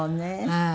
はい。